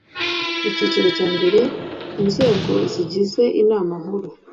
Icyiciro cya mbere Inzego zigize Inama Nkuru